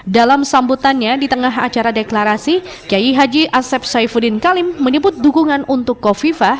dalam sambutannya di tengah acara deklarasi kiai haji asep saifuddin kalim menyebut dukungan untuk kofifa